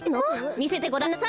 みせてごらんなさい。